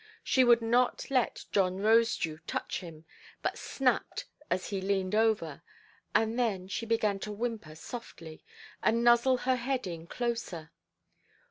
She would not let John Rosedew touch him, but snapped as he leaned over; and then she began to whimper softly, and nuzzle her head in closer.